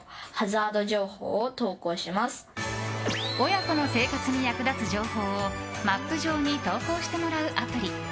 親子の生活に役立つ情報をマップ上に投稿してもらうアプリ。